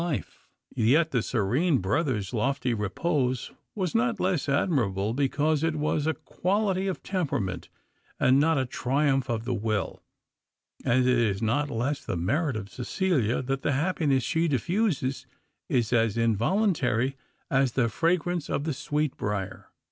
Yet the serene brother's lofty repose was not less admirable because it was a quality of temperament, and not a triumph of the will; and it is not less the merit of Cecilia that the happiness she diffuses is as involuntary as the fragrance of the sweetbrier.